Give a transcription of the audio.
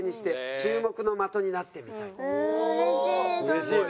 うれしい！